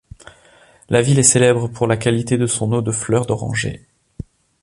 La ville est célèbre pour la qualité de son eau de fleur d'oranger.